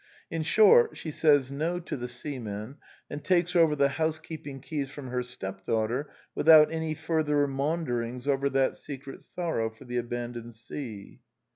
In short, she says No to the seaman, and takes over the house keeping keys from her stepdaughter without any further maunderings over that secret sorrow for the abandoned sea.